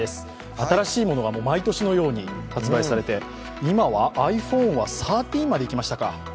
新しいものが毎年のように発売されて今はｉＰｈｏｎｅは１３までいきましたか。